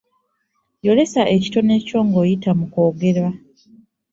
Yolesa ekitone kyo ng'oyita mu kwogera.